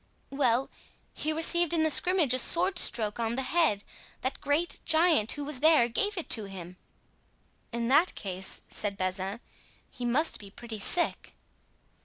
"Well, he received in the scrimmage a sword stroke on the head. That great giant who was there gave it to him." "In that case," said Bazin, "he must be pretty sick."